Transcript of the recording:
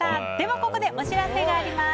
ここでお知らせがあります。